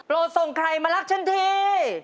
ประสงค์ไพรมารักษันที